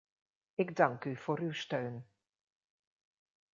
Ik dank u voor uw steun.